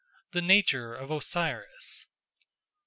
The Nature of Osiris 1.